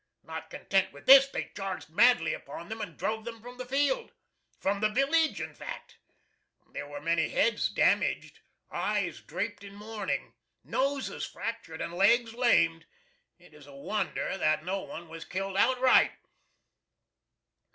Not content with this they charged madly upon them and drove them from the field from the village, in fact. There were many heads damaged, eyes draped in mourning, noses fractured and legs lamed it is a wonder that no one was killed outright.